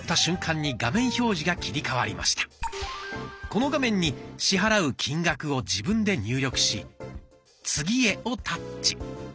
この画面に支払う金額を自分で入力し「次へ」をタッチ。